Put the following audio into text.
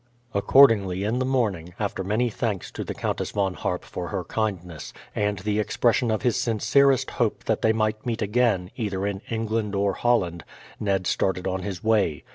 Accordingly in the morning, after many thanks to the Countess Von Harp for her kindness, and the expression of his sincerest hope that they might meet again, either in England or Holland, Ned started on his way.